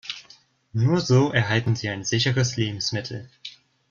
Nur so erhalten Sie ein sicheres Lebensmittel.